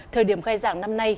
thời điểm khai giảng năm nay